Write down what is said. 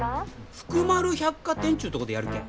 福丸百貨店ちゅうとこでやるけん。